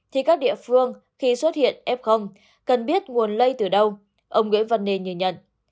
thì các địa phương khi xuất hiện f cần biết nguồn lây từ đâu ông nguyễn văn nên nhìn nhận